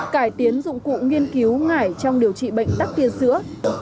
cải tiến dụng cụ nghiên cứu ngải trong điều trị bệnh tắc tiên sữa